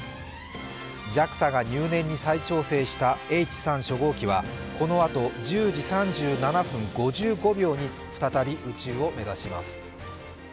ＪＡＸＡが入念に再調整したＨ３初号機はこのあと１０時３７分５５秒に再び宇宙を目指します。